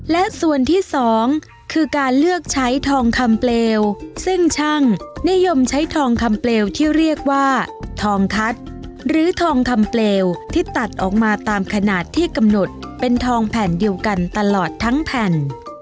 และส่วนที่สองคือการเลือกใช้ทองคำเปลวซึ่งช่างนิยมใช้ทองคำเปลวที่เรียกว่าทองทัศน์หรือทองคำเปลวที่ตัดออกมาตามขนาดที่กำหนดเป็นทองแผ่นเดียวกันตลอดทั้งแผ่น